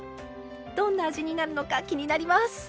どんな味になるのか気になります！